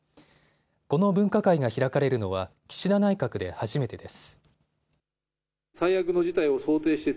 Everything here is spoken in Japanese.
この分科会が開かれるのは岸田内閣で初めてです。